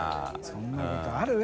そんなことある？